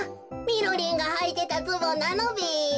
みろりんがはいてたズボンなのべ？